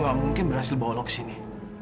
sambil berkeliling indonesia